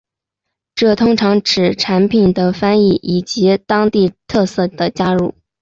这通常是指产品的翻译以及当地特色的加入。